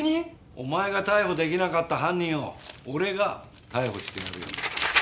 お前が逮捕できなかった犯人を俺が逮捕してやるよ。